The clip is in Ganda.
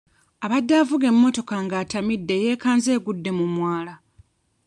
Abadde avuga emmotoka ng'atamidde yeekanze egudde mu mwala.